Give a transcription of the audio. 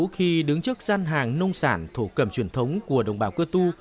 khi đứng trước gian hàng nông sản thổ cầm truyền thống của đồng bào cơ tu